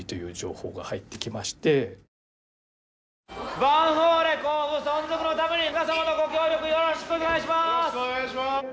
ヴァンフォーレ甲府存続のために皆様のご協力よろしくお願いします！